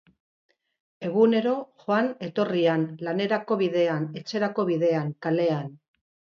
Egunero, joan-etorrian, lanerako bidean, etxerako bidean, kalean.